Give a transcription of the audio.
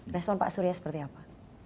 respon pak surya seperti apa